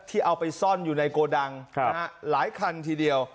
เอาไปซ่อนอยู่ในโกดังหลายคันทีเดียว